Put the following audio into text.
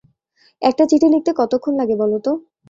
একটা চিঠি লিখতে কতক্ষণ লাগে বল তো?